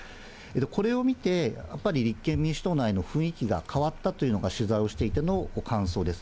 これを見て、やっぱり立憲民主党内の雰囲気が変わったというのが、取材をしていての感想です。